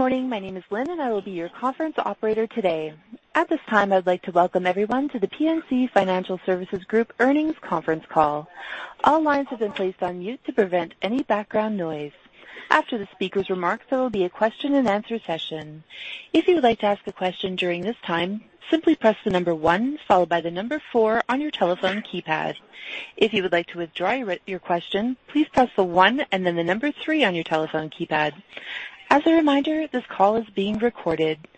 Good morning. My name is Lynn, and I will be your conference operator today. At this time, I'd like to welcome everyone to The PNC Financial Services Group Earnings Conference Call. All lines have been placed on mute to prevent any background noise. After the speaker's remarks, there will be a question and answer session. If you would like to ask a question during this time, simply press 1, followed by 4 on your telephone keypad. If you would like to withdraw your question, please press 1 and then 3 on your telephone keypad. As a reminder, this call is being recorded.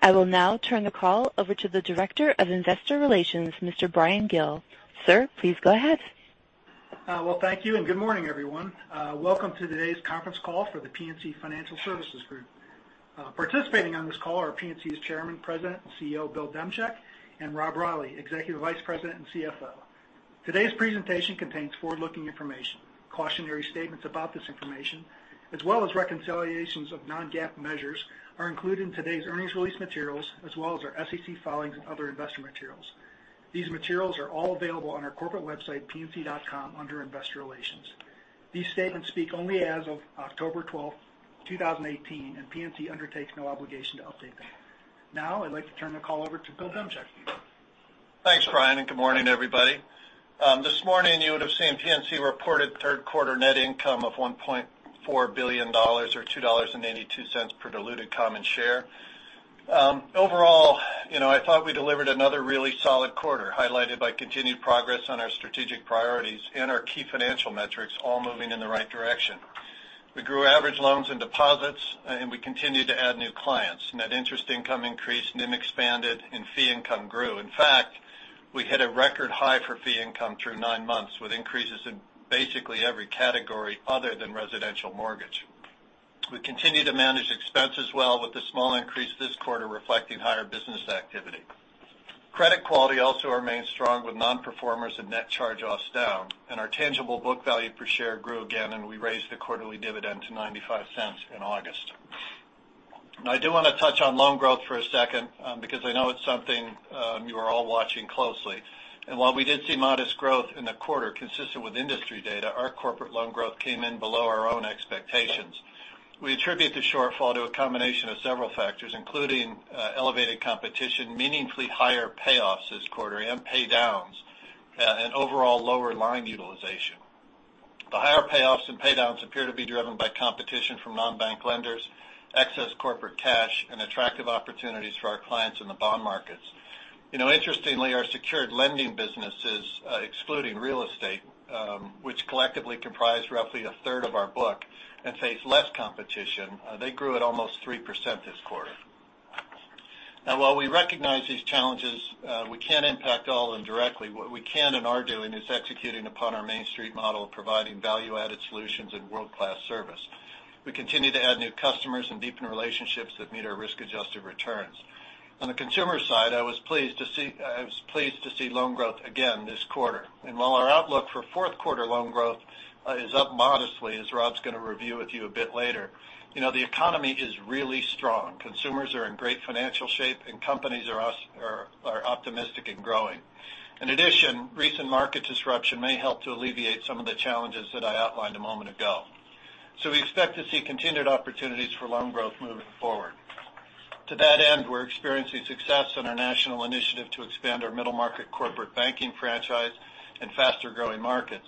I will now turn the call over to the Director of Investor Relations, Mr. Bryan K. Gill. Sir, please go ahead. Thank you. Good morning, everyone. Welcome to today's conference call for The PNC Financial Services Group. Participating on this call are PNC's Chairman, President, and CEO, William S. Demchak, and Robert Q. Reilly, Executive Vice President and CFO. Today's presentation contains forward-looking information. Cautionary statements about this information, as well as reconciliations of non-GAAP measures, are included in today's earnings release materials, as well as our SEC filings and other investor materials. These materials are all available on our corporate website, pnc.com, under Investor Relations. These statements speak only as of October 12, 2018. PNC undertakes no obligation to update them. I'd like to turn the call over to William S. Demchak. Thanks, Bryan. Good morning, everybody. This morning, you would've seen PNC reported third quarter net income of $1.4 billion, or $2.82 per diluted common share. Overall, I thought we delivered another really solid quarter, highlighted by continued progress on our strategic priorities and our key financial metrics all moving in the right direction. We grew average loans and deposits. We continued to add new clients. Net interest income increased, NIM expanded. Fee income grew. In fact, we hit a record high for fee income through nine months, with increases in basically every category other than residential mortgage. We continue to manage expenses well with the small increase this quarter reflecting higher business activity. Credit quality also remains strong with non-performers and net charge-offs down. Our tangible book value per share grew again. We raised the quarterly dividend to $0.95 in August. I do want to touch on loan growth for a second because I know it's something you are all watching closely. While we did see modest growth in the quarter consistent with industry data, our corporate loan growth came in below our own expectations. We attribute the shortfall to a combination of several factors, including elevated competition, meaningfully higher payoffs this quarter and paydowns, and overall lower line utilization. The higher payoffs and paydowns appear to be driven by competition from non-bank lenders, excess corporate cash, and attractive opportunities for our clients in the bond markets. Interestingly, our secured lending businesses, excluding real estate, which collectively comprise roughly a third of our book and face less competition, they grew at almost 3% this quarter. While we recognize these challenges, we can't impact all indirectly. What we can and are doing is executing upon our Main Street model of providing value-added solutions and world-class service. We continue to add new customers and deepen relationships that meet our risk-adjusted returns. On the consumer side, I was pleased to see loan growth again this quarter. While our outlook for fourth quarter loan growth is up modestly, as Rob's going to review with you a bit later, the economy is really strong. Consumers are in great financial shape, and companies are optimistic and growing. In addition, recent market disruption may help to alleviate some of the challenges that I outlined a moment ago. We expect to see continued opportunities for loan growth moving forward. To that end, we're experiencing success on our national initiative to expand our middle market corporate banking franchise in faster-growing markets.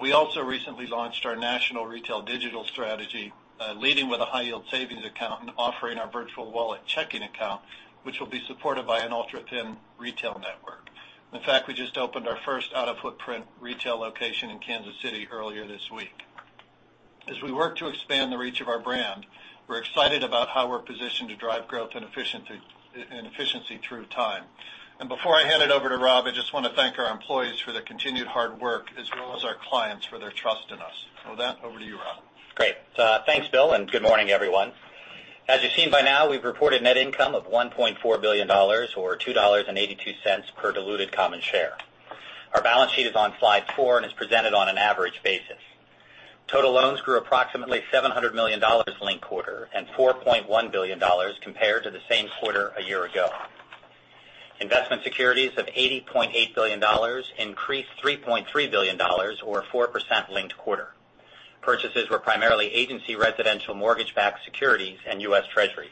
We also recently launched our national retail digital strategy, leading with a high yield savings account and offering our Virtual Wallet checking account, which will be supported by an ultra-thin retail network. In fact, we just opened our first out-of-footprint retail location in Kansas City earlier this week. Before I hand it over to Rob, I just want to thank our employees for their continued hard work, as well as our clients for their trust in us. With that, over to you, Rob. Great. Thanks, Bill, and good morning, everyone. As you've seen by now, we've reported net income of $1.4 billion, or $2.82 per diluted common share. Our balance sheet is on slide four and is presented on an average basis. Total loans grew approximately $700 million linked quarter and $4.1 billion compared to the same quarter a year ago. Investment securities of $80.8 billion increased $3.3 billion, or 4% linked quarter. Purchases were primarily agency residential mortgage-backed securities and U.S. Treasuries.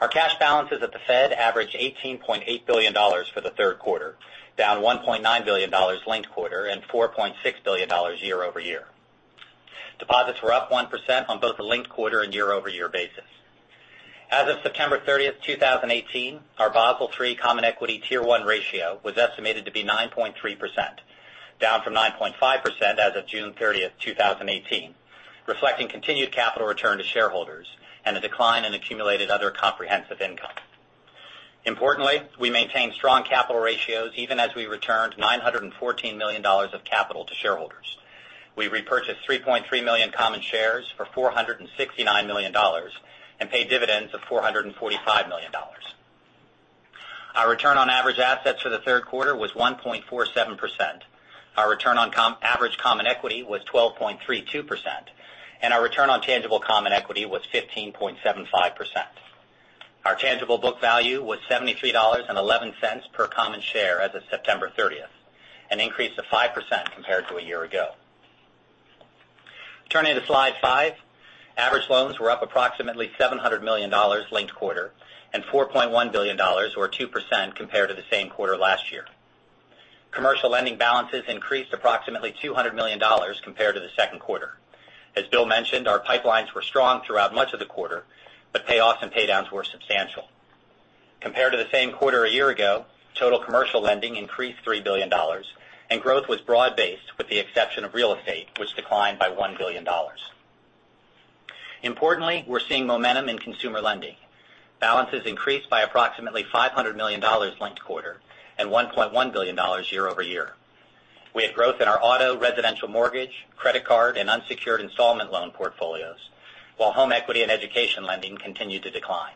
Our cash balances at the Fed averaged $18.8 billion for the third quarter, down $1.9 billion linked quarter and $4.6 billion year-over-year. Deposits were up 1% on both the linked quarter and year-over-year basis. As of September 30th, 2018, our Basel III Common Equity Tier 1 ratio was estimated to be 9.3%, down from 9.5% as of June 30th, 2018, reflecting continued capital return to shareholders and a decline in Accumulated Other Comprehensive Income. Importantly, we maintained strong capital ratios even as we returned $914 million of capital to shareholders. We repurchased 3.3 million common shares for $469 million and paid dividends of $445 million. Our return on average assets for the third quarter was 1.47%. Our return on average common equity was 12.32%, and our return on tangible common equity was 15.75%. Tangible book value was $73.11 per common share as of September 30th, an increase of 5% compared to a year-ago. Turning to slide five. Average loans were up approximately $700 million linked quarter, and $4.1 billion, or 2%, compared to the same quarter last year. Commercial lending balances increased approximately $200 million compared to the second quarter. As Bill mentioned, our pipelines were strong throughout much of the quarter, but payoffs and paydowns were substantial. Compared to the same quarter a year ago, total commercial lending increased $3 billion, and growth was broad-based with the exception of real estate, which declined by $1 billion. Importantly, we're seeing momentum in consumer lending. Balances increased by approximately $500 million linked quarter, and $1.1 billion year over year. We had growth in our auto, residential mortgage, credit card, and unsecured installment loan portfolios, while home equity and education lending continued to decline.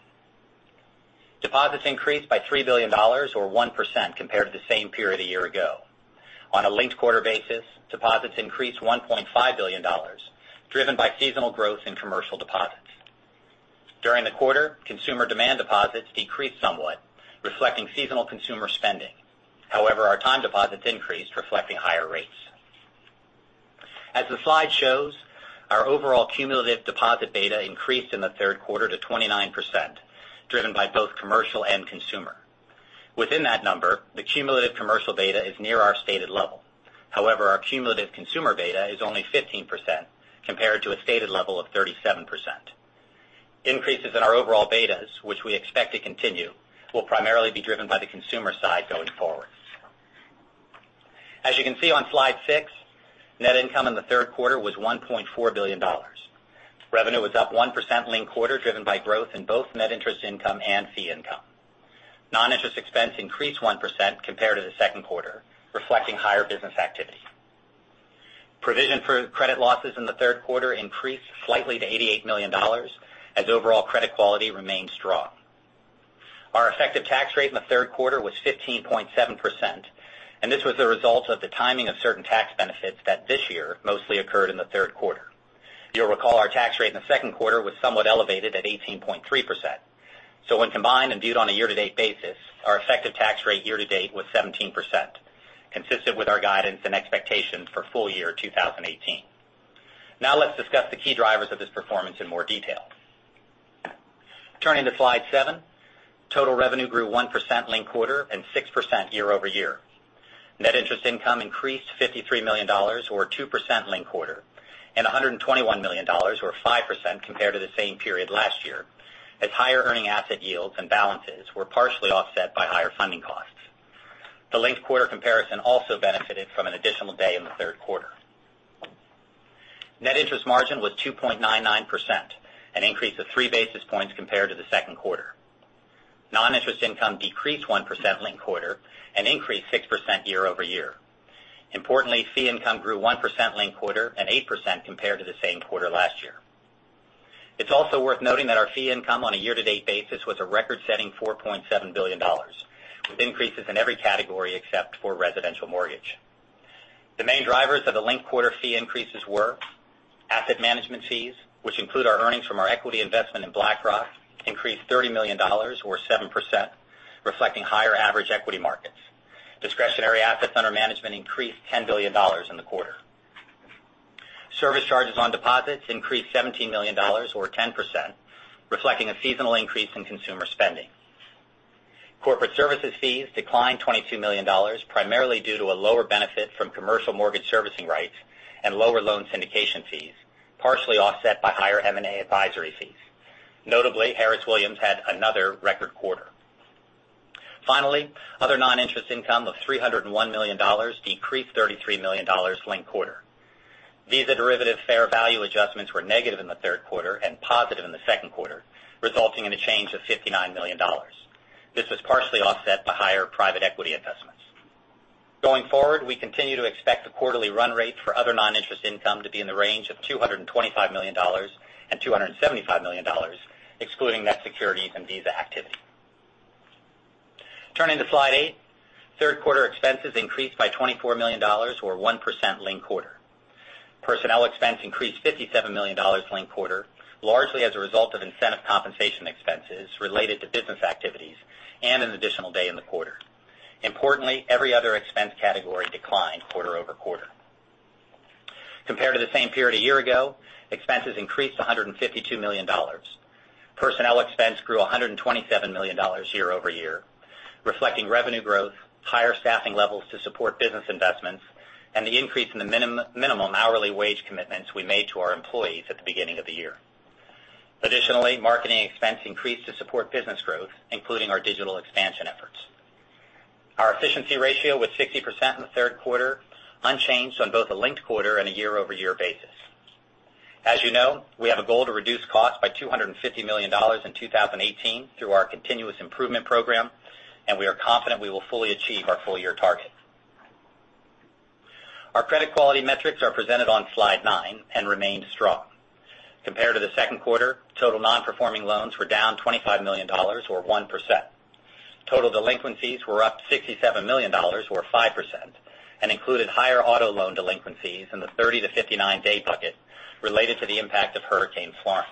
Deposits increased by $3 billion, or 1%, compared to the same period a year ago. On a linked-quarter basis, deposits increased $1.5 billion, driven by seasonal growth in commercial deposits. During the quarter, consumer demand deposits decreased somewhat, reflecting seasonal consumer spending. Our time deposits increased, reflecting higher rates. As the slide shows, our overall cumulative deposit beta increased in the third quarter to 29%, driven by both commercial and consumer. Within that number, the cumulative commercial beta is near our stated level. Our cumulative consumer beta is only 15%, compared to a stated level of 37%. Increases in our overall betas, which we expect to continue, will primarily be driven by the consumer side going forward. As you can see on slide six, net income in the third quarter was $1.4 billion. Revenue was up 1% linked quarter, driven by growth in both net interest income and fee income. Non-interest expense increased 1% compared to the second quarter, reflecting higher business activity. Provision for credit losses in the third quarter increased slightly to $88 million, as overall credit quality remained strong. Our effective tax rate in the third quarter was 15.7%. This was the result of the timing of certain tax benefits that this year mostly occurred in the third quarter. You'll recall our tax rate in the second quarter was somewhat elevated at 18.3%. When combined and viewed on a year-to-date basis, our effective tax rate year to date was 17%, consistent with our guidance and expectations for full year 2018. Let's discuss the key drivers of this performance in more detail. Turning to slide seven. Total revenue grew 1% linked quarter and 6% year over year. Net interest income increased $53 million, or 2%, linked quarter, and $121 million, or 5%, compared to the same period last year, as higher earning asset yields and balances were partially offset by higher funding costs. The linked-quarter comparison also benefited from an additional day in the third quarter. Net interest margin was 2.99%, an increase of three basis points compared to the second quarter. Non-interest income decreased 1% linked quarter and increased 6% year over year. Fee income grew 1% linked quarter and 8% compared to the same quarter last year. It's also worth noting that our fee income on a year-to-date basis was a record-setting $4.7 billion, with increases in every category except for residential mortgage. The main drivers of the linked quarter fee increases were asset management fees, which include our earnings from our equity investment in BlackRock, increased $30 million, or 7%, reflecting higher average equity markets. Discretionary assets under management increased $10 billion in the quarter. Service charges on deposits increased $17 million, or 10%, reflecting a seasonal increase in consumer spending. Corporate services fees declined $22 million, primarily due to a lower benefit from commercial mortgage servicing rights and lower loan syndication fees, partially offset by higher M&A advisory fees. Notably, Harris Williams had another record quarter. Finally, other non-interest income of $301 million decreased $33 million linked quarter. Visa derivative fair value adjustments were negative in the third quarter and positive in the second quarter, resulting in a change of $59 million. This was partially offset by higher private equity investments. Going forward, we continue to expect the quarterly run rate for other non-interest income to be in the range of $225 million and $275 million, excluding net securities and Visa activity. Turning to slide eight. Third quarter expenses increased by $24 million, or 1%, linked quarter. Personnel expense increased $57 million linked quarter, largely as a result of incentive compensation expenses related to business activities and an additional day in the quarter. Importantly, every other expense category declined quarter-over-quarter. Compared to the same period a year ago, expenses increased $152 million. Personnel expense grew $127 million year-over-year, reflecting revenue growth, higher staffing levels to support business investments, and the increase in the minimum hourly wage commitments we made to our employees at the beginning of the year. Marketing expense increased to support business growth, including our digital expansion efforts. Our efficiency ratio was 60% in the third quarter, unchanged on both a linked quarter and a year-over-year basis. As you know, we have a goal to reduce costs by $250 million in 2018 through our continuous improvement program, we are confident we will fully achieve our full-year target. Our credit quality metrics are presented on slide nine and remained strong. Compared to the second quarter, total non-performing loans were down $25 million, or 1%. Total delinquencies were up $67 million or 5%, and included higher auto loan delinquencies in the 30 to 59-day bucket related to the impact of Hurricane Florence.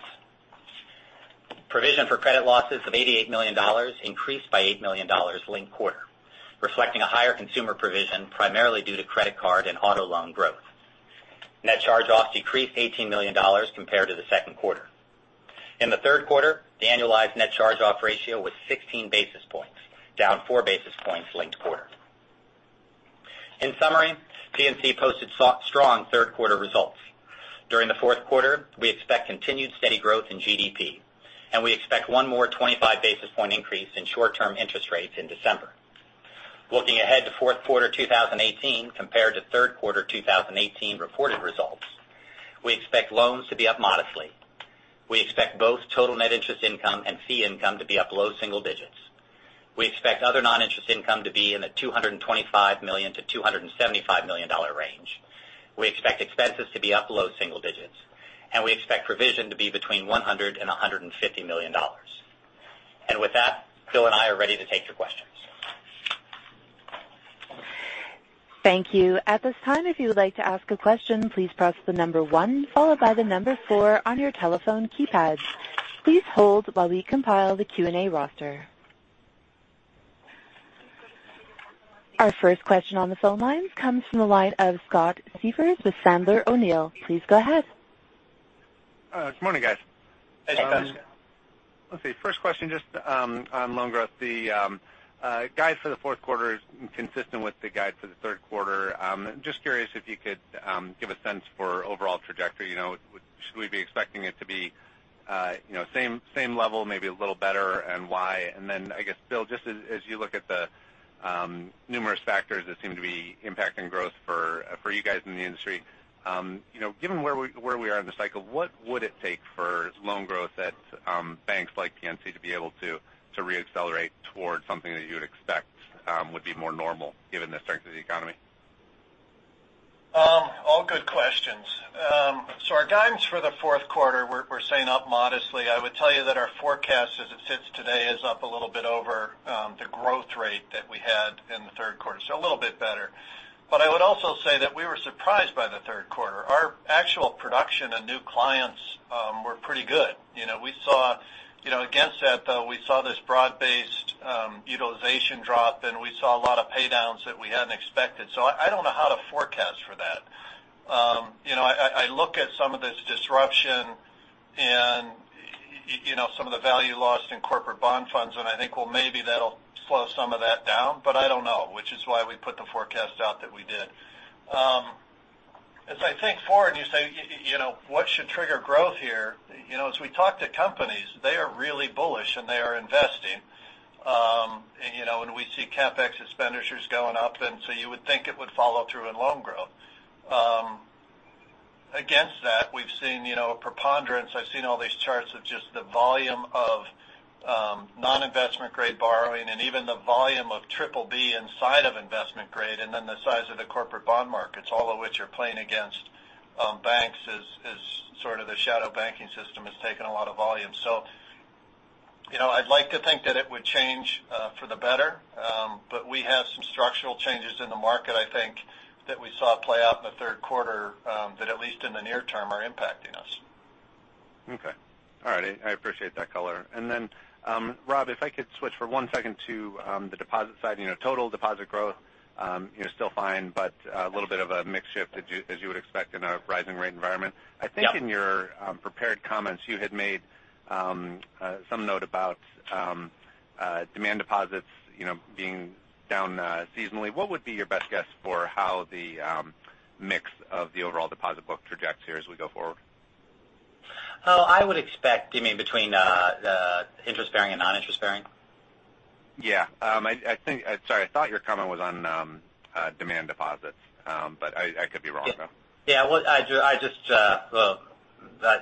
Provision for credit losses of $88 million increased by $8 million linked quarter, reflecting a higher consumer provision, primarily due to credit card and auto loan growth. Net charge-offs decreased $18 million compared to the second quarter. In the third quarter, the annualized net charge-off ratio was 16 basis points, down four basis points linked quarter. In summary, PNC posted strong third quarter results. During the fourth quarter, we expect continued steady growth in GDP, we expect one more 25 basis point increase in short-term interest rates in December. Looking ahead to fourth quarter 2018 compared to third quarter 2018 reported results, we expect loans to be up modestly. We expect both total net interest income and fee income to be up low single digits. We expect other non-interest income to be in the $225 million to $275 million range. We expect expenses to be up low single digits, we expect provision to be between $100 and $150 million. With that, Bill and I are ready to take your questions. Thank you. At this time, if you would like to ask a question, please press the number 1 followed by the number 4 on your telephone keypad. Please hold while we compile the Q&A roster. Our first question on the phone lines comes from the line of Scott Siefers with Sandler O'Neill. Please go ahead. Good morning, guys. Hey, Scott. Let's see. First question just on loan growth. The guide for the fourth quarter is consistent with the guide for the third quarter. Just curious if you could give a sense for overall trajectory. Should we be expecting it to be same level, maybe a little better, and why? I guess, Bill, just as you look at the numerous factors that seem to be impacting growth for you guys in the industry, given where we are in the cycle, what would it take for loan growth at banks like PNC to be able to re-accelerate towards something that you would expect would be more normal given the strength of the economy? All good questions. Our guidance for the fourth quarter, we're saying up modestly. I would tell you that our forecast as it sits today is up a little bit over the growth rate that we had in the third quarter, a little bit better. I would also say that we were surprised by the third quarter. Our actual production and new clients were pretty good. Against that, though, we saw this broad-based utilization drop, and we saw a lot of pay-downs that we hadn't expected. I don't know how to forecast for that. I look at some of this disruption and some of the value lost in corporate bond funds, and I think, maybe that'll slow some of that down, but I don't know, which is why we put the forecast out that we did. As I think forward, you say, what should trigger growth here? As we talk to companies, they are really bullish, and they are investing. We see CapEx expenditures going up, you would think it would follow through in loan growth. Against that, we've seen a preponderance. I've seen all these charts of just the volume of non-investment grade borrowing and even the volume of BBB inside of investment grade, then the size of the corporate bond markets, all of which are playing against banks as sort of the shadow banking system has taken a lot of volume. I'd like to think that it would change for the better, we have some structural changes in the market, I think, that we saw play out in the third quarter that at least in the near term, are impacting us. Okay. All right. I appreciate that color. Rob, if I could switch for one second to the deposit side. Total deposit growth, still fine, a little bit of a mix shift as you would expect in a rising rate environment. Yeah. I think in your prepared comments, you had made some note about demand deposits being down seasonally. What would be your best guess for how the mix of the overall deposit book projects here as we go forward? I would expect, you mean between interest bearing and non-interest bearing? Yeah. Sorry, I thought your comment was on demand deposits, I could be wrong, though. Yeah. Well,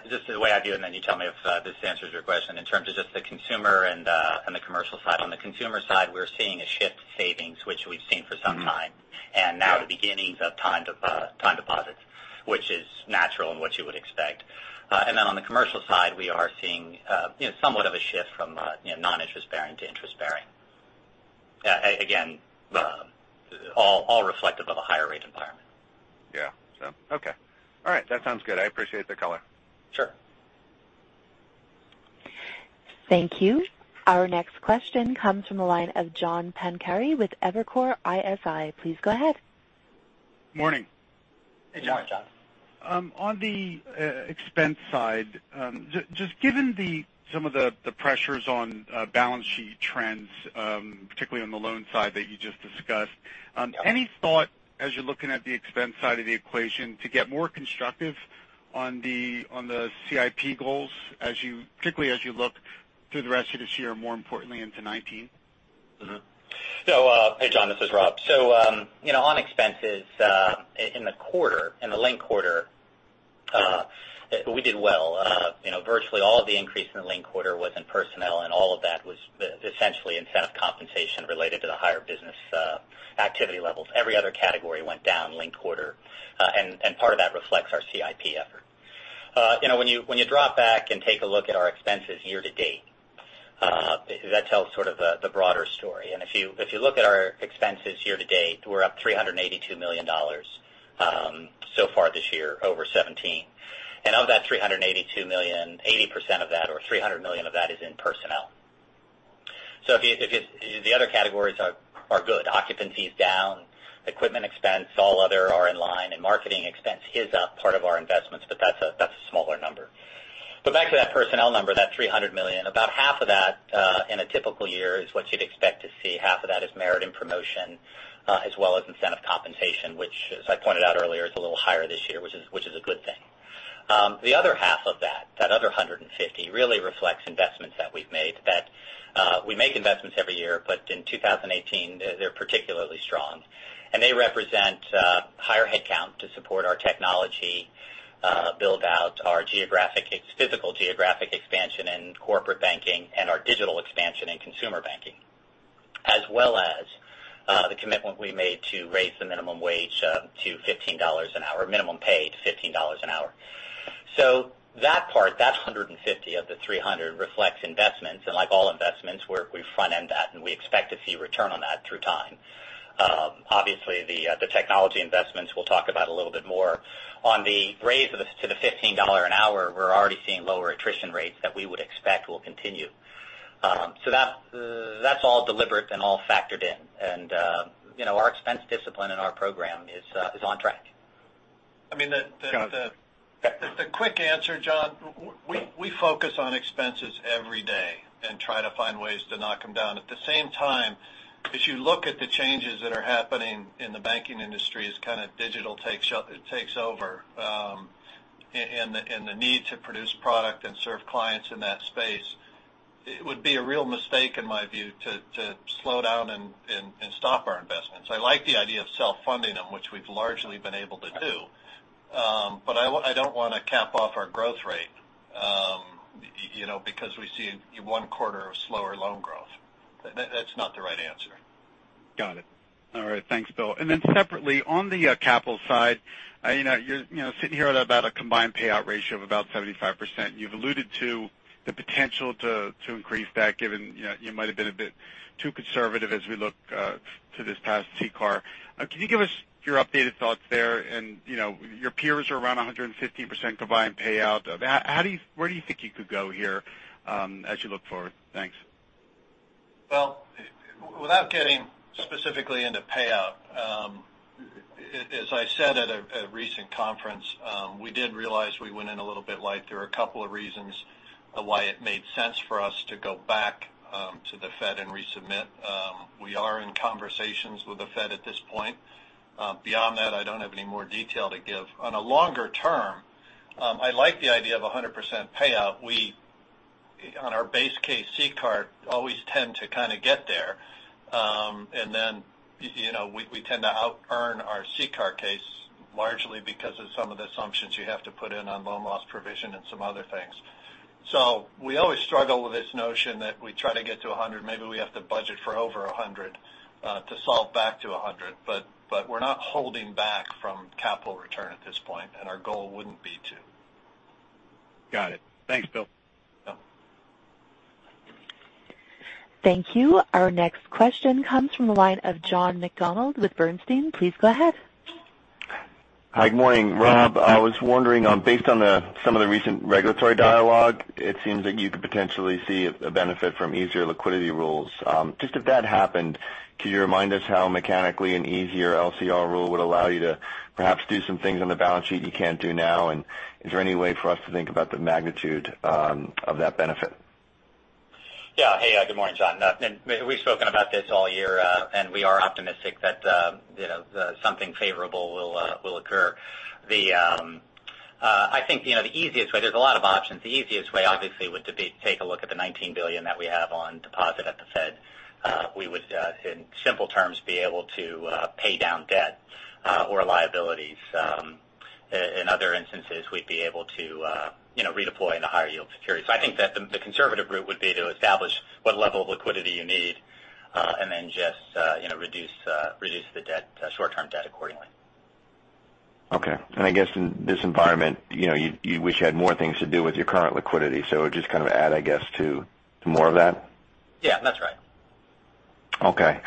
just the way I view it, you tell me if this answers your question in terms of just the consumer and the commercial side. On the consumer side, we're seeing a shift to savings, which we've seen for some time. Now the beginnings of time deposits, which is natural and what you would expect. On the commercial side, we are seeing somewhat of a shift from non-interest bearing to interest bearing. Again, all reflective of a higher rate environment. Yeah. Okay. All right. That sounds good. I appreciate the color. Sure. Thank you. Our next question comes from the line of John Pancari with Evercore ISI. Please go ahead. Morning. Hey, John. Hey, John. On the expense side, just given some of the pressures on balance sheet trends, particularly on the loan side that you just discussed. Yeah Any thought as you're looking at the expense side of the equation to get more constructive on the CIP goals, particularly as you look through the rest of this year, more importantly into 2019? Hey, John, this is Rob. On expenses in the linked quarter, we did well. Virtually all of the increase in the linked quarter was in personnel, and all of that was essentially in staff compensation related to the higher business activity levels. Every other category went down linked quarter, and part of that reflects our CIP effort. When you drop back and take a look at our expenses year-to-date, that tells the broader story. If you look at our expenses year-to-date, we're up $382 million so far this year over 2017. Of that $382 million, 80% of that or $300 million of that is in personnel. The other categories are good. Occupancy is down, equipment expense, all other are in line, and marketing expense is up, part of our investments, but that's a smaller number. Back to that personnel number, that $300 million, about half of that in a typical year is what you'd expect to see. Half of that is merit and promotion, as well as incentive compensation, which, as I pointed out earlier, is a little higher this year, which is a good thing. The other half of that other $150, really reflects investments that we've made. We make investments every year, in 2018, they're particularly strong. They represent higher headcount to support our technology build-out, our physical geographic expansion in corporate banking, and our digital expansion in consumer banking, as well as the commitment we made to raise the minimum wage to $15 an hour, minimum pay to $15 an hour. That part, that $150 of the $300 reflects investments. Like all investments, we front-end that, and we expect to see return on that through time. Obviously, the technology investments, we'll talk about a little bit more. On the raise to the $15 an hour, we're already seeing lower attrition rates that we would expect will continue. That's all deliberate and all factored in. Our expense discipline and our program is on track. I mean. John? The quick answer, John, we focus on expenses every day and try to find ways to knock them down. At the same time, if you look at the changes that are happening in the banking industry as digital takes over, and the need to produce product and serve clients in that space, it would be a real mistake, in my view, to slow down and stop our investments. I like the idea of self-funding them, which we've largely been able to do. I don't want to cap off our growth rate because we see one quarter of slower loan growth. That's not the right answer. Got it. All right. Thanks, Bill. Separately, on the capital side, you're sitting here at about a combined payout ratio of about 75%. You've alluded to the potential to increase that, given you might've been a bit too conservative as we look to this past CCAR. Can you give us your updated thoughts there? Your peers are around 150% combined payout. Where do you think you could go here as you look forward? Thanks. Well, without getting specifically into payout, as I said at a recent conference, we did realize we went in a little bit light. There are a couple of reasons why it made sense for us to go back to the Fed and resubmit. We are in conversations with the Fed at this point. Beyond that, I don't have any more detail to give. On a longer term, I like the idea of 100% payout. We, on our base case CCAR, always tend to get there. We tend to out-earn our CCAR case largely because of some of the assumptions you have to put in on loan loss provision and some other things. We always struggle with this notion that we try to get to 100%. Maybe we have to budget for over 100% to solve back to 100%. We're not holding back from capital return at this point, and our goal wouldn't be to. Got it. Thanks, Bill. Yeah. Thank you. Our next question comes from the line of John McDonald with Bernstein. Please go ahead. Hi. Good morning, Rob. I was wondering, based on some of the recent regulatory dialogue, it seems that you could potentially see a benefit from easier liquidity rules. If that happened, could you remind us how mechanically an easier LCR rule would allow you to perhaps do some things on the balance sheet you can't do now? Is there any way for us to think about the magnitude of that benefit? Yeah. Hey, good morning, John. We've spoken about this all year. We are optimistic that something favorable will occur. There's a lot of options. The easiest way, obviously, would be to take a look at the $19 billion that we have on deposit at the Fed. We would, in simple terms, be able to pay down debt or liabilities. In other instances, we'd be able to redeploy into higher yield securities. I think that the conservative route would be to establish what level of liquidity you need and then just reduce the short-term debt accordingly. Okay. I guess in this environment, you wish you had more things to do with your current liquidity. It would just add, I guess, to more of that? Yeah, that's right. Okay.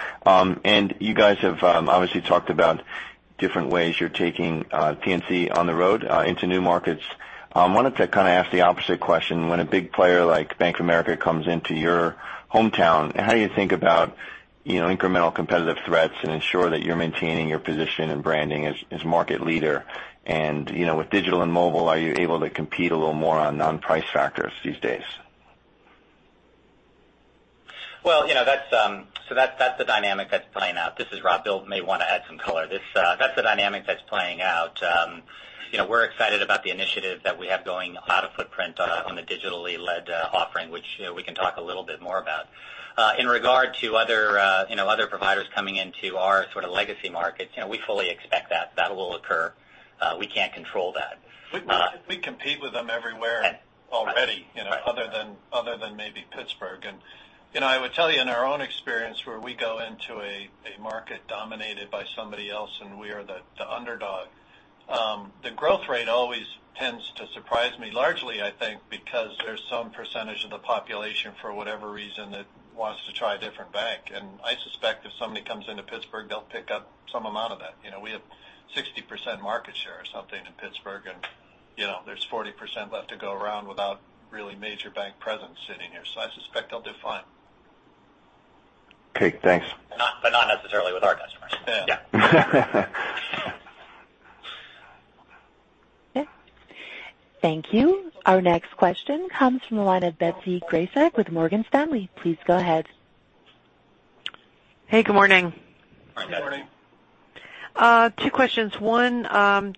You guys have obviously talked about different ways you're taking PNC on the road into new markets. I wanted to ask the opposite question. When a big player like Bank of America comes into your hometown, how do you think about incremental competitive threats and ensure that you're maintaining your position and branding as market leader? With digital and mobile, are you able to compete a little more on non-price factors these days? That's the dynamic that's playing out. This is Rob. Bill may want to add some color. That's the dynamic that's playing out. We're excited about the initiative that we have going out of footprint on the digitally-led offering, which we can talk a little bit more about. In regard to other providers coming into our legacy markets, we fully expect that that will occur. We can't control that. We compete with them everywhere already, other than maybe Pittsburgh. I would tell you, in our own experience where we go Market dominated by somebody else, and we are the underdog. The growth rate always tends to surprise me, largely, I think, because there's some percentage of the population, for whatever reason, that wants to try a different bank. I suspect if somebody comes into Pittsburgh, they'll pick up some amount of that. We have 60% market share or something in Pittsburgh, and there's 40% left to go around without really major bank presence sitting here. I suspect they'll do fine. Okay, thanks. Not necessarily with our customers. Yeah. Okay. Thank you. Our next question comes from the line of Betsy Graseck with Morgan Stanley. Please go ahead. Hey, good morning. Good morning. Good morning. Two questions. One,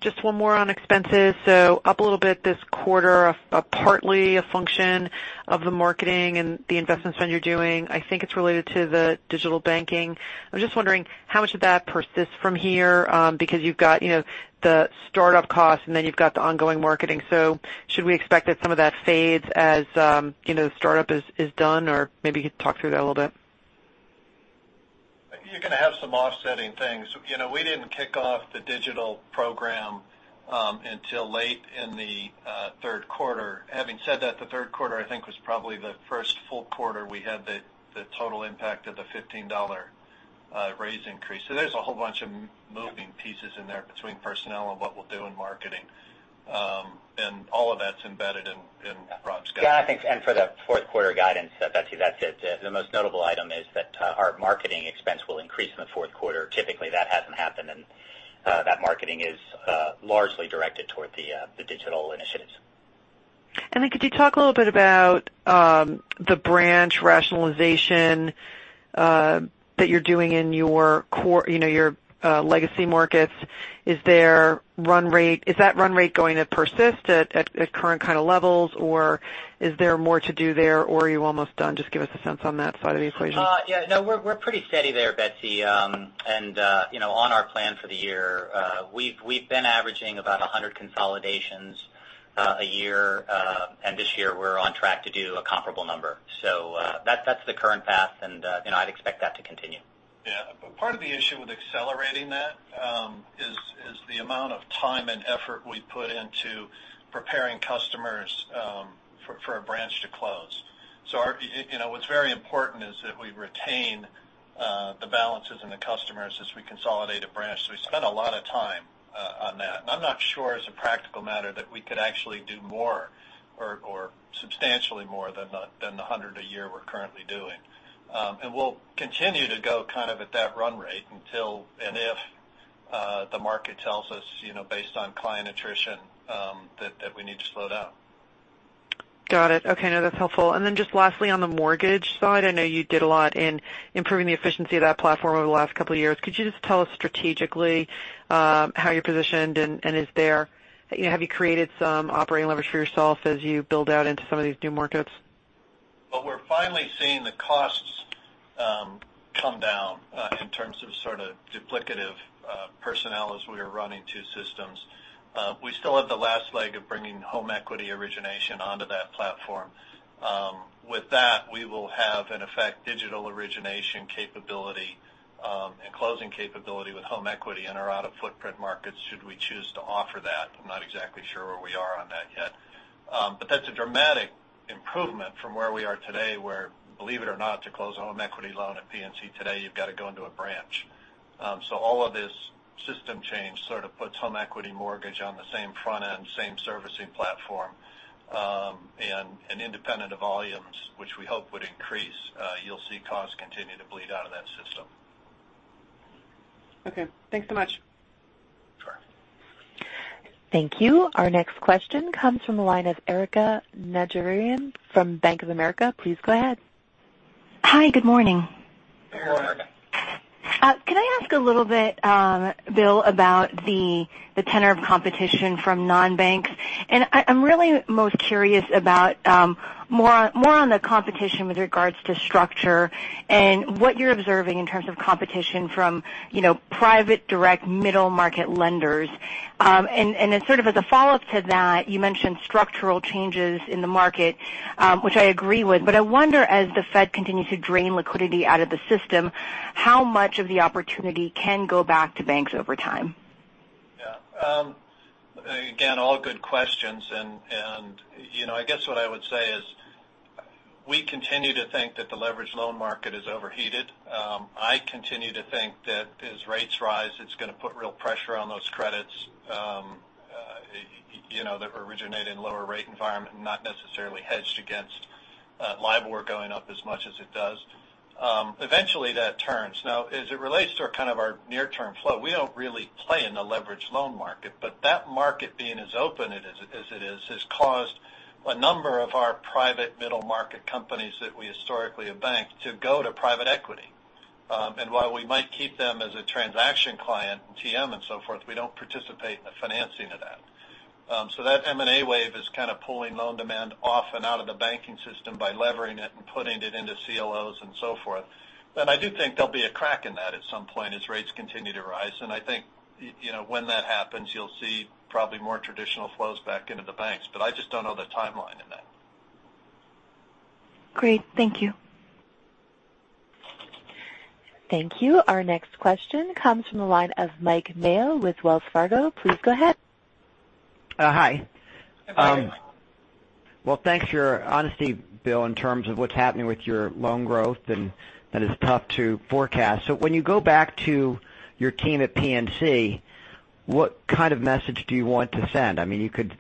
just one more on expenses. Up a little bit this quarter, partly a function of the marketing and the investment spend you're doing. I think it's related to the digital banking. I'm just wondering how much of that persists from here. You've got the startup cost, and then you've got the ongoing marketing. Should we expect that some of that fades as the startup is done? Or maybe you could talk through that a little bit. You're going to have some offsetting things. We didn't kick off the digital program until late in the third quarter. Having said that, the third quarter, I think, was probably the first full quarter we had the total impact of the $15 raise increase. There's a whole bunch of moving pieces in there between personnel and what we'll do in marketing. All of that's embedded in Rob's guidance. Yeah, I think, and for the fourth quarter guidance, Betsy, that's it. The most notable item is that our marketing expense will increase in the fourth quarter. Typically, that hasn't happened, and that marketing is largely directed toward the digital initiatives. Could you talk a little bit about the branch rationalization that you're doing in your legacy markets. Is that run rate going to persist at current kind of levels, or is there more to do there, or are you almost done? Just give us a sense on that side of the equation. Yeah, no, we're pretty steady there, Betsy. On our plan for the year, we've been averaging about 100 consolidations a year. This year we're on track to do a comparable number. That's the current path, and I'd expect that to continue. Yeah. Part of the issue with accelerating that is the amount of time and effort we put into preparing customers for a branch to close. What's very important is that we retain the balances and the customers as we consolidate a branch. We spend a lot of time on that. I'm not sure, as a practical matter, that we could actually do more or substantially more than the 100 a year we're currently doing. We'll continue to go kind of at that run rate until and if the market tells us based on client attrition that we need to slow down. Got it. Okay. No, that's helpful. Just lastly, on the mortgage side, I know you did a lot in improving the efficiency of that platform over the last couple of years. Could you just tell us strategically how you're positioned and have you created some operating leverage for yourself as you build out into some of these new markets? Well, we're finally seeing the costs come down in terms of sort of duplicative personnel as we are running two systems. We still have the last leg of bringing home equity origination onto that platform. With that, we will have, in effect, digital origination capability and closing capability with home equity in our out-of-footprint markets should we choose to offer that. I'm not exactly sure where we are on that yet. That's a dramatic improvement from where we are today, where, believe it or not, to close a home equity loan at PNC today, you've got to go into a branch. All of this system change sort of puts home equity mortgage on the same front end, same servicing platform. Independent of volumes, which we hope would increase, you'll see costs continue to bleed out of that system. Okay. Thanks so much. Sure. Thank you. Our next question comes from the line of Erika Najarian from Bank of America. Please go ahead. Hi, good morning. Good morning. Good morning. Can I ask a little bit, Bill, about the tenor of competition from non-banks? I'm really most curious about more on the competition with regards to structure and what you're observing in terms of competition from private direct middle-market lenders. Sort of as a follow-up to that, you mentioned structural changes in the market, which I agree with, I wonder, as the Fed continues to drain liquidity out of the system, how much of the opportunity can go back to banks over time? Again, all good questions, I guess what I would say is we continue to think that the leverage loan market is overheated. I continue to think that as rates rise, it's going to put real pressure on those credits that originate in lower rate environment and not necessarily hedged against LIBOR going up as much as it does. Eventually, that turns. As it relates to kind of our near-term flow, we don't really play in the leverage loan market, that market being as open as it is has caused a number of our private middle-market companies that we historically have banked to go to private equity. While we might keep them as a transaction client in TM and so forth, we don't participate in the financing of that. That M&A wave is kind of pulling loan demand off and out of the banking system by levering it and putting it into CLOs and so forth. I do think there'll be a crack in that at some point as rates continue to rise. I think when that happens, you'll see probably more traditional flows back into the banks, I just don't know the timeline in that. Great. Thank you. Thank you. Our next question comes from the line of Mike Mayo with Wells Fargo. Please go ahead. Hi. Hi, Mike. Thanks for your honesty, Bill, in terms of what's happening with your loan growth, and that it's tough to forecast. When you go back to your team at PNC, what kind of message do you want to send? You could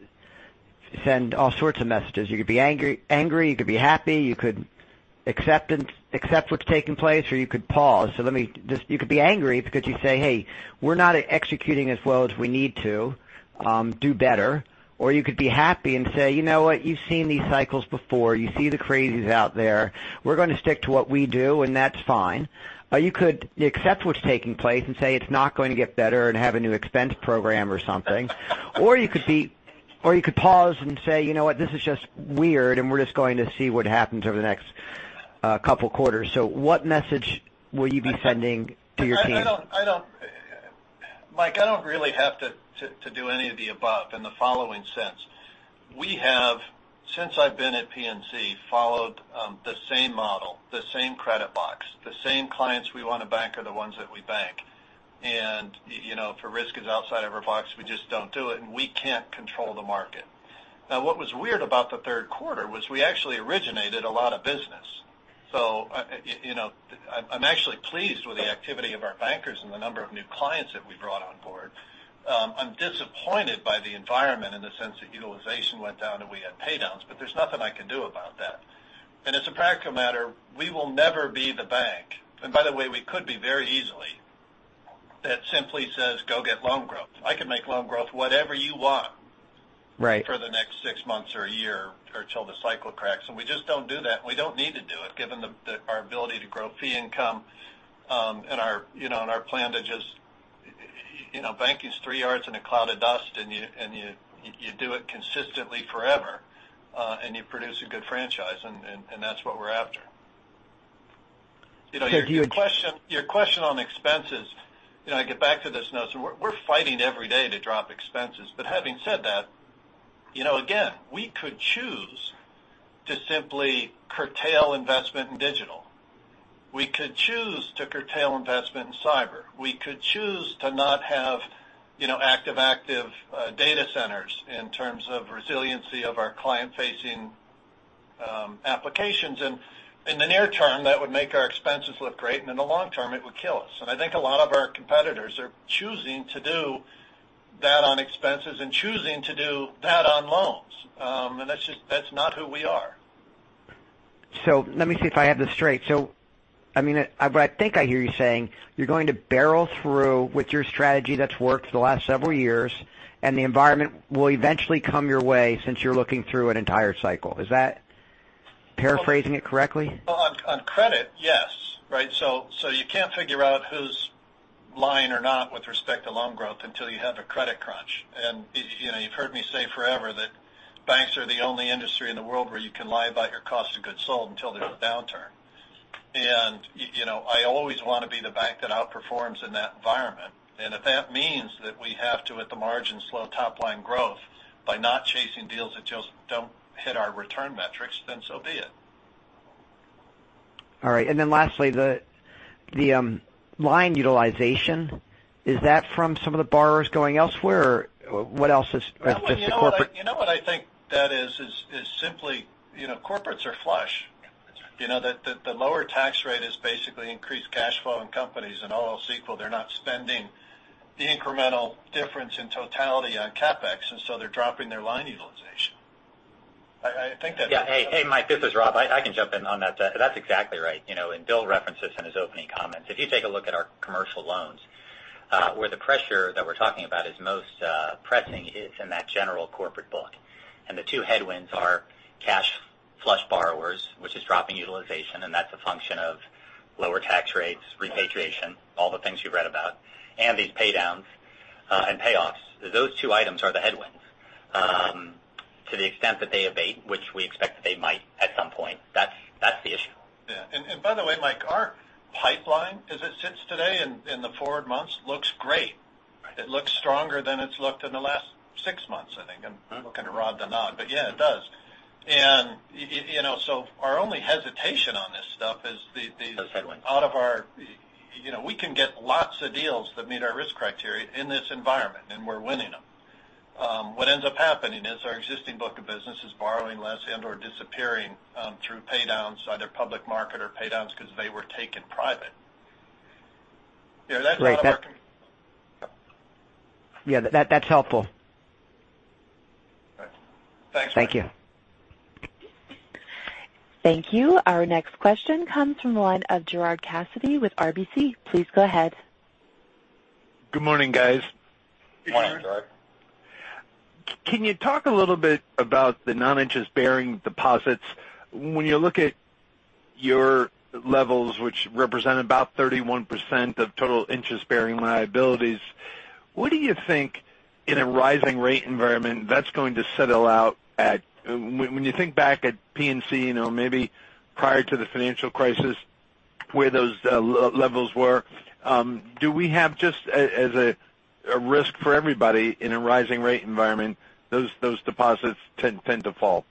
send all sorts of messages. You could be angry, you could be happy, you could accept what's taking place, or you could pause. You could be angry because you say, "Hey, we're not executing as well as we need to. Do better." You could be happy and say, "You know what? You've seen these cycles before. You see the crazies out there. We're going to stick to what we do, and that's fine." You could accept what's taking place and say, "It's not going to get better," and have a new expense program or something. You could pause and say, "You know what? This is just weird, and we're just going to see what happens over the next couple quarters. What message will you be sending to your team? Mike, I don't really have to do any of the above in the following sense. We have, since I've been at PNC, followed the same model, the same credit box. The same clients we want to bank are the ones that we bank. If a risk is outside of our box, we just don't do it, and we can't control the market. Now, what was weird about the third quarter was we actually originated a lot of business. I'm actually pleased with the activity of our bankers and the number of new clients that we brought on board. I'm disappointed by the environment in the sense that utilization went down, and we had pay-downs, but there's nothing I can do about that. As a practical matter, we will never be the bank, and by the way, we could be very easily, that simply says, "Go get loan growth." I can make loan growth whatever you want. Right For the next six months or a year or till the cycle cracks, and we just don't do that, and we don't need to do it given our ability to grow fee income, and our plan to just Banking's three yards and a cloud of dust, and you do it consistently forever, and you produce a good franchise, and that's what we're after. Your question on expenses, I get back to this notion, we're fighting every day to drop expenses. Having said that, again, we could choose to simply curtail investment in digital. We could choose to curtail investment in cyber. We could choose to not have active-active data centers in terms of resiliency of our client-facing applications. In the near term, that would make our expenses look great, and in the long term, it would kill us. I think a lot of our competitors are choosing to do that on expenses and choosing to do that on loans. That's not who we are. Let me see if I have this straight. I think I hear you saying you're going to barrel through with your strategy that's worked for the last several years, and the environment will eventually come your way since you're looking through an entire cycle. Is that paraphrasing it correctly? On credit, yes. You can't figure out who's lying or not with respect to loan growth until you have a credit crunch. You've heard me say forever that banks are the only industry in the world where you can lie about your cost of goods sold until there's a downturn. I always want to be the bank that outperforms in that environment. If that means that we have to, at the margin, slow top-line growth by not chasing deals that just don't hit our return metrics, so be it. All right. Lastly, the line utilization, is that from some of the borrowers going elsewhere? What else is You know what I think that is simply corporates are flush. The lower tax rate has basically increased cash flow in companies, and all else equal, they're not spending the incremental difference in totality on CapEx, and so they're dropping their line utilization. Yeah. Hey, Mike, this is Rob. I can jump in on that. That's exactly right. Bill referenced this in his opening comments. If you take a look at our commercial loans, where the pressure that we're talking about is most pressing is in that general corporate book. The two headwinds are cash flush borrowers, which is dropping utilization, and that's a function of lower tax rates, repatriation, all the things you've read about, and these pay-downs and payoffs. Those two items are the headwinds. To the extent that they abate, which we expect that they might at some point, that's the issue. Yeah. By the way, Mike, our pipeline as it sits today in the forward months looks great. Right. It looks stronger than it's looked in the last six months, I think. I'm looking to Rob to nod, but yeah, it does. Our only hesitation on this stuff. The headwinds we can get lots of deals that meet our risk criteria in this environment, and we're winning them. What ends up happening is our existing book of business is borrowing less and/or disappearing through pay-downs, either public market or pay-downs because they were taken private. That's not our Yeah, that's helpful. Right. Thanks, Mike. Thank you. Thank you. Our next question comes from the line of Gerard Cassidy with RBC. Please go ahead. Good morning, guys. Good morning, Gerard. Can you talk a little bit about the non-interest-bearing deposits? When you look at your levels, which represent about 31% of total interest-bearing liabilities, what do you think in a rising rate environment that's going to settle out at? When you think back at PNC, maybe prior to the financial crisis, where those levels were? Do we have, just as a risk for everybody in a rising rate environment, those deposits tend to fall?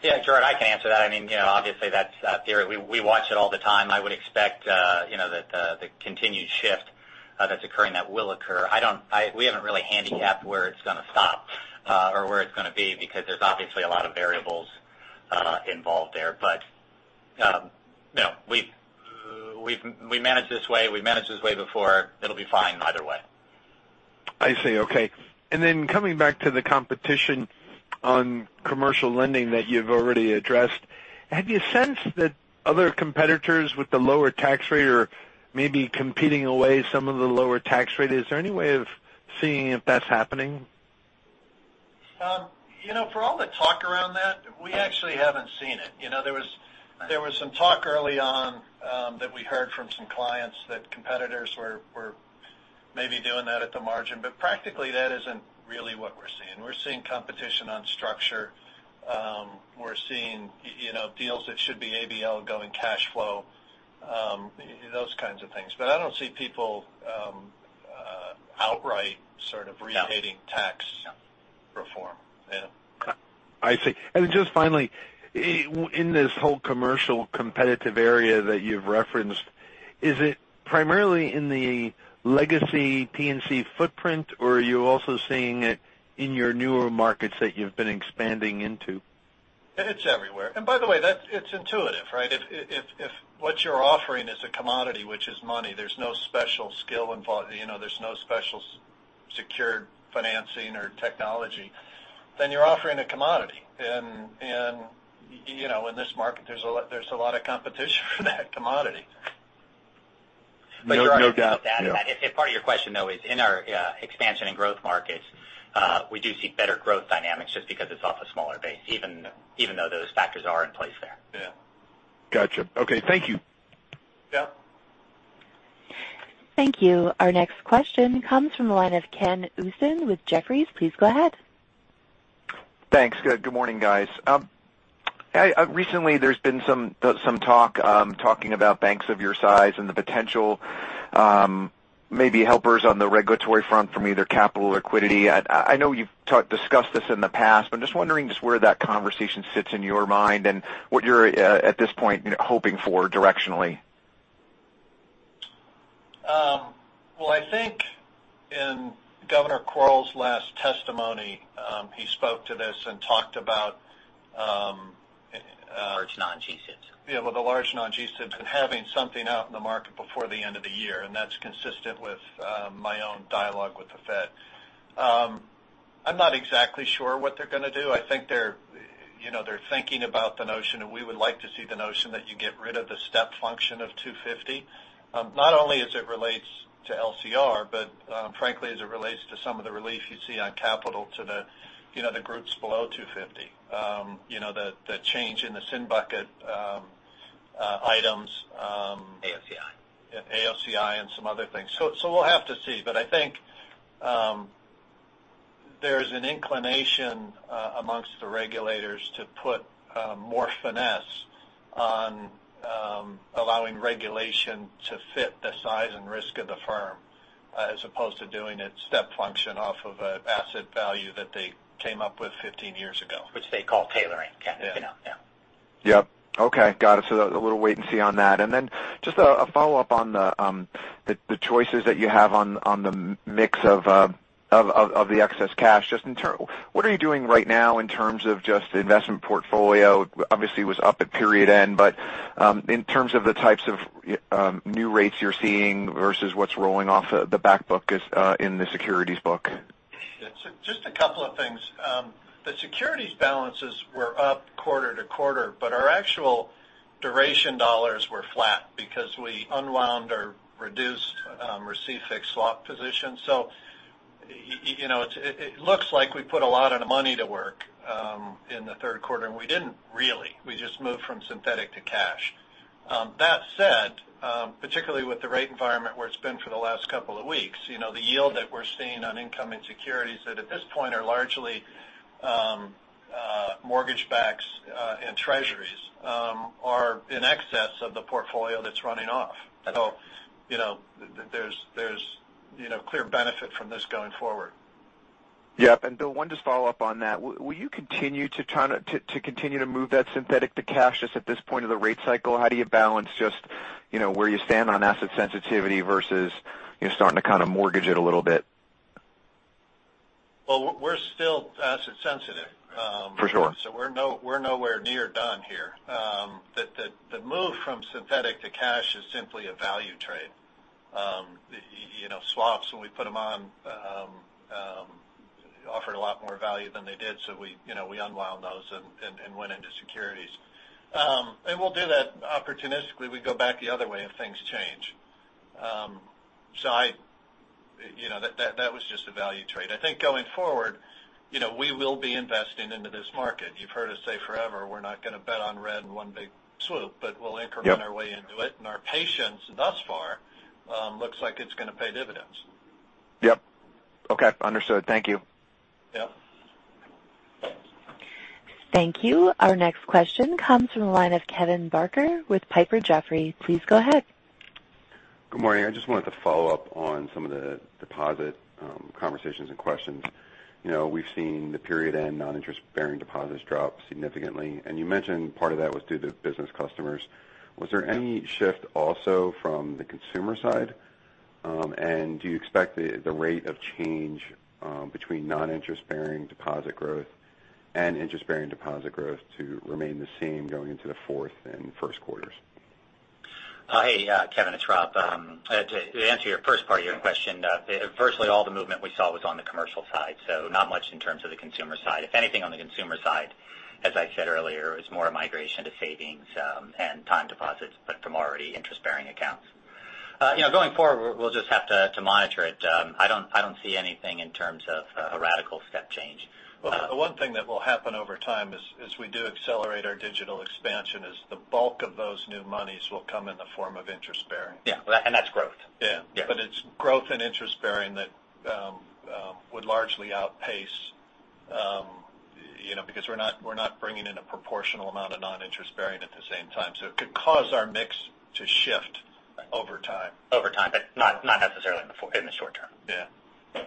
Yeah, Gerard, I can answer that. Obviously, that's theory. We watch it all the time. I would expect that the continued shift that's occurring, that will occur. We haven't really handicapped where it's going to stop or where it's going to be, because there's obviously a lot of variables involved there. We manage this way. We managed this way before. It'll be fine either way. I see. Okay. Coming back to the competition on commercial lending that you've already addressed, have you sensed that other competitors with the lower tax rate are maybe competing away some of the lower tax rate? Is there any way of seeing if that's happening? For all the talk around that, we actually haven't seen it. There was some talk early on that we heard from some clients that competitors were maybe doing that at the margin. Practically, that isn't really what we're seeing. We're seeing competition on structure. We're seeing deals that should be ABL going cash flow, those kinds of things. I don't see people outright sort of reiterating tax reform. I see. Just finally, in this whole commercial competitive area that you've referenced, is it primarily in the legacy PNC footprint, or are you also seeing it in your newer markets that you've been expanding into? It's everywhere. By the way, it's intuitive, right? If what you're offering is a commodity, which is money, there's no special skill involved. There's no special secured financing or technology, then you're offering a commodity. In this market, there's a lot of competition for that commodity. Gerard. No doubt. if part of your question, though, is in our expansion and growth markets, we do see better growth dynamics just because it's off a smaller base, even though those factors are in place there. Yeah. Got you. Okay. Thank you. Yeah. Thank you. Our next question comes from the line of Ken Usdin with Jefferies. Please go ahead. Thanks. Good morning, guys. Recently there's been some talk about banks of your size and the potential maybe helpers on the regulatory front from either capital or liquidity. I know you've discussed this in the past, but I'm just wondering just where that conversation sits in your mind and what you're at this point hoping for directionally. Well, I think in Randal Quarles' last testimony, he spoke to this and talked about. Large non-G-SIBs Well, the large non-G-SIBs having something out in the market before the end of the year, that's consistent with my own dialogue with the Fed. I'm not exactly sure what they're going to do. I think they're thinking about the notion, and we would like to see the notion that you get rid of the step function of 250. Not only as it relates to LCR, but frankly, as it relates to some of the relief you see on capital to the groups below 250. The change in the SIFI bucket items. AOCI AOCI and some other things. We'll have to see, but I think there's an inclination amongst the regulators to put more finesse on allowing regulation to fit the size and risk of the firm, as opposed to doing its step function off of an asset value that they came up with 15 years ago. Which they call tailoring. Yeah. Yeah. A little wait and see on that. Just a follow-up on the choices that you have on the mix of the excess cash. What are you doing right now in terms of just investment portfolio? Obviously, it was up at period end, but in terms of the types of new rates you're seeing versus what's rolling off the back book in the securities book. Just a couple of things. The securities balances were up quarter-to-quarter, but our actual duration dollars were flat because we unwound or reduced received fixed swap positions. It looks like we put a lot of the money to work in the third quarter, and we didn't really. We just moved from synthetic to cash. That said, particularly with the rate environment where it's been for the last couple of weeks, the yield that we're seeing on incoming securities that at this point are largely mortgage-backs and U.S. Treasuries, are in excess of the portfolio that's running off. There's clear benefit from this going forward. Yep. Bill, one just follow-up on that. Will you continue to try to continue to move that synthetic to cash just at this point of the rate cycle? How do you balance just where you stand on asset sensitivity versus starting to kind of mortgage it a little bit? Well, we're still asset sensitive. For sure. We're nowhere near done here. The move from synthetic to cash is simply a value trade. Swaps, when we put them on, offered a lot more value than they did, we unwound those and went into securities. We'll do that opportunistically. We go back the other way if things change. That was just a value trade. I think going forward, we will be investing into this market. You've heard us say forever, we're not going to bet on red in one big swoop, but we'll increment our way into it. Our patience thus far looks like it's going to pay dividends. Yep. Okay. Understood. Thank you. Yeah. Thank you. Our next question comes from the line of Kevin Barker with Piper Jaffray. Please go ahead. Good morning. I just wanted to follow up on some of the deposit conversations and questions. We've seen the period end non-interest bearing deposits drop significantly. You mentioned part of that was due to business customers. Was there any shift also from the consumer side? Do you expect the rate of change between non-interest bearing deposit growth and interest-bearing deposit growth to remain the same going into the fourth and first quarters? Hey, Kevin, it's Rob. To answer your first part of your question, firstly, all the movement we saw was on the commercial side. Not much in terms of the consumer side. If anything on the consumer side, as I said earlier, it was more a migration to savings and time deposits, from already interest-bearing accounts. Going forward, we'll just have to monitor it. I don't see anything in terms of a radical step change. One thing that will happen over time as we do accelerate our digital expansion is the bulk of those new monies will come in the form of interest bearing. Yeah. That's growth. Yeah. Yeah. It's growth in interest bearing that would largely outpace, because we're not bringing in a proportional amount of non-interest bearing at the same time. It could cause our mix to shift over time. Over time, not necessarily in the short term. Yeah.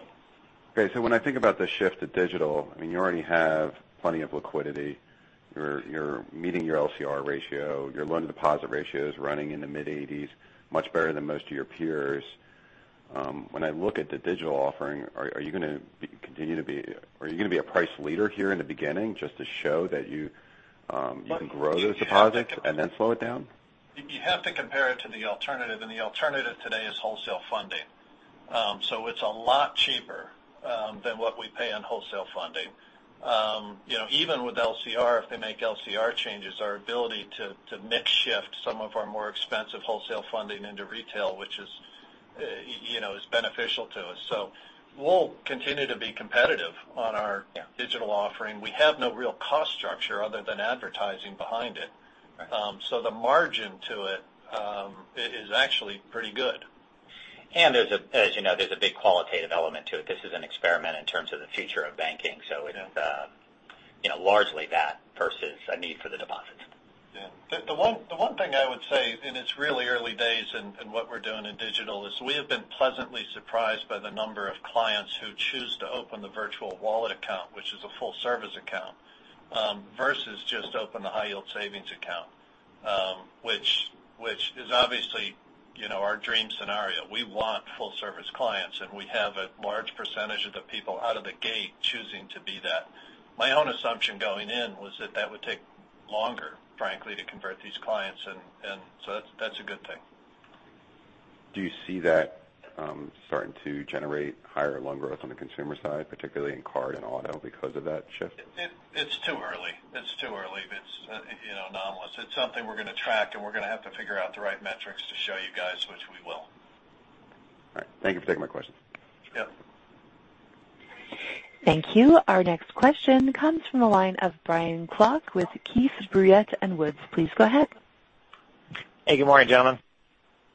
Okay. When I think about the shift to digital, you already have plenty of liquidity. You're meeting your LCR ratio. Your loan deposit ratio is running in the mid-80s, much better than most of your peers. When I look at the digital offering, are you going to be a price leader here in the beginning just to show that you can grow the deposits and slow it down? You have to compare it to the alternative, the alternative today is wholesale funding. It's a lot cheaper than what we pay on wholesale funding. Even with LCR, if they make LCR changes, our ability to mix shift some of our more expensive wholesale funding into retail, which is beneficial to us. We'll continue to be competitive on our digital offering. We have no real cost structure other than advertising behind it. Right. The margin to it is actually pretty good. As you know, there's a big qualitative element to it. This is an experiment in terms of the future of banking. Yeah. It is largely that versus a need for the deposits. Yeah. It's really early days in what we're doing in digital, is we have been pleasantly surprised by the number of clients who choose to open the Virtual Wallet account, which is a full-service account, versus just open a high yield savings account, which is obviously our dream scenario. We want full-service clients. We have a large percentage of the people out of the gate choosing to be that. My own assumption going in was that that would take longer, frankly, to convert these clients. That's a good thing. Do you see that starting to generate higher loan growth on the consumer side, particularly in card and auto, because of that shift? It's too early. It's anomalous. It's something we're going to track. We're going to have to figure out the right metrics to show you guys, which we will. All right. Thank you for taking my question. Yep. Thank you. Our next question comes from the line of Brian Klock with KeyBanc. Please go ahead. Hey, good morning, gentlemen.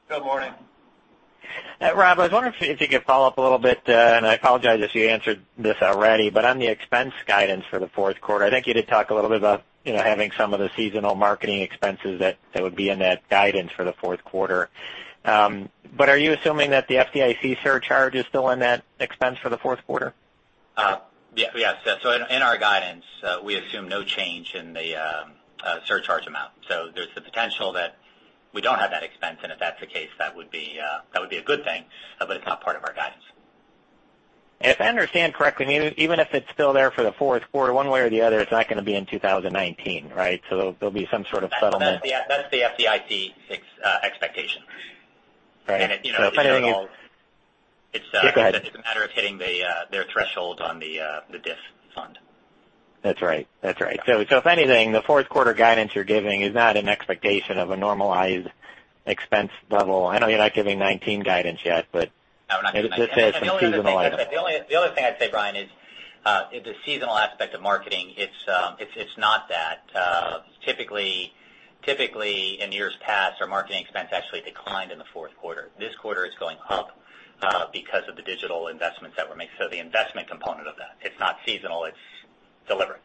Good morning. Rob, I was wondering if you could follow up a little bit, and I apologize if you answered this already, but on the expense guidance for the fourth quarter, I think you did talk a little bit about having some of the seasonal marketing expenses that would be in that guidance for the fourth quarter. Are you assuming that the FDIC surcharge is still in that expense for the fourth quarter? Yes. In our guidance, we assume no change in the surcharge amount. There's the potential that we don't have that expense, and if that's the case, that would be a good thing, but it's not part of our guidance. If I understand correctly, even if it's still there for the fourth quarter, one way or the other, it's not going to be in 2019, right? There'll be some sort of settlement. That's the FDIC expectation. Right. It's a matter of hitting their threshold on the DIF fund. That's right. If anything, the fourth quarter guidance you're giving is not an expectation of a normalized expense level. I know you're not giving 2019 guidance yet. No, we're not giving 2019 guidance. It's just some seasonal items. The only other thing I'd say, Brian, is the seasonal aspect of marketing, it's not that. Typically in years past, our marketing expense actually declined in the fourth quarter. This quarter is going up because of the digital investments that were made. The investment component of that. It's not seasonal, it's deliberate.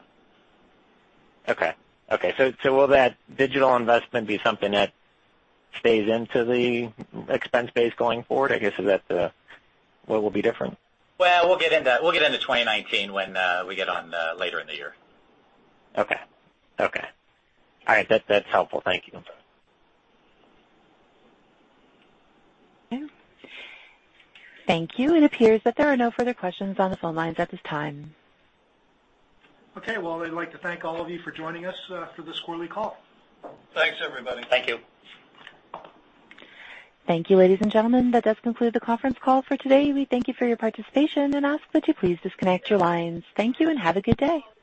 Okay. Will that digital investment be something that stays into the expense base going forward, I guess, is that what will be different? Well, we'll get into 2019 when we get on later in the year. Okay. All right. That's helpful. Thank you. Thank you. It appears that there are no further questions on the phone lines at this time. Okay. Well, I'd like to thank all of you for joining us for this quarterly call. Thanks, everybody. Thank you. Thank you, ladies and gentlemen. That does conclude the conference call for today. We thank you for your participation and ask that you please disconnect your lines. Thank you and have a good day.